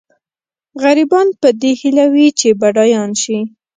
غریبان په دې هیله وي چې بډایان شي.